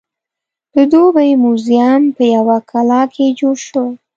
د دوبۍ موزیم په یوه کلا کې جوړ شوی.